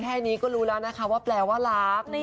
แค่นี้ก็รู้แล้วนะคะว่าแปลว่ารัก